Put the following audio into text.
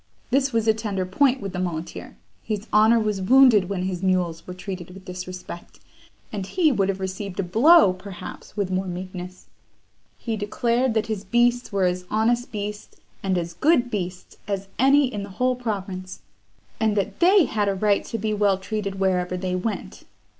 This was a tender point with the muleteer; his honour was wounded when his mules were treated with disrespect, and he would have received a blow, perhaps, with more meekness. He declared that his beasts were as honest beasts, and as good beasts, as any in the whole province; and that they had a right to be well treated wherever they went.